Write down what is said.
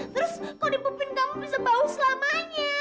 terus kalo dipupin kamu bisa bau selamanya